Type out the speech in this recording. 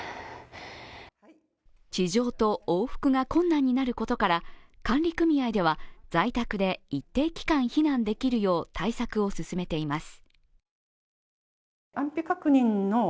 地上と往復が困難になることから管理組合では、在宅で一定期間避難できるよう、対策を進めています。